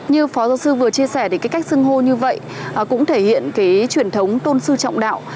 như phó giáo sư vừa chia sẻ thì cái cách sưng hô như vậy cũng thể hiện cái truyền thống tôn sư trọng đạo